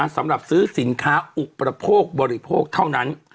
สำหรับซื้อสินค้าอุปโภคบริโภคเท่านั้น